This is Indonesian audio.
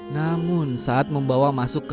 namun saat membawa masuk ke